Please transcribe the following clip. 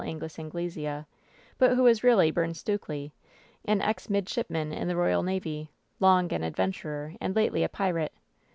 Angus Anglesea, but who was really Byrne Stukely, an ex midshipman in the royal navy, long an adventurer, and lately a pirate.